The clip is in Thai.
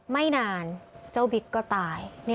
ไม่นานเจ้าบิ๊กก็ตาย